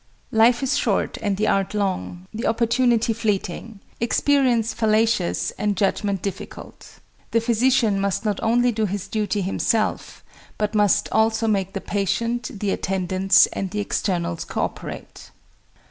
"Life is short and the art long; the opportunity fleeting; experience fallacious and judgment difficult. The physician must not only do his duty himself, but must also make the patient, the attendants and the externals, co operate."